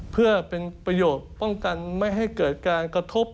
เพื่อเป็นประโยชน์ป้องกันไม่ให้เกิดการกระทบ